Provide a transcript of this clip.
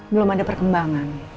belum ada perkembangan